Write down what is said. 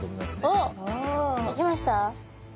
おっ出来ました？